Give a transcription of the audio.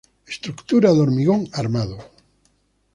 Estructura de hormigón armado.